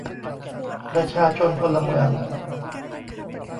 ประชาชนพลเมือง